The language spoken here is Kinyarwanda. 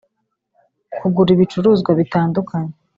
kugura ibicuruzwa bitandukanye